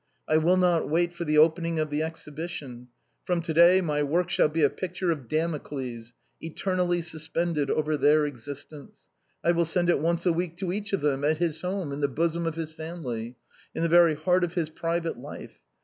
I will not wait for the opening of the Exhibition. From to day, my work shall be a picture of Damocles, eter nally suspended over their existence. I will send it once a week to each of them, at his home in the bosom of his family; in the very heart of his private life.